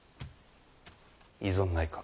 異存ないか。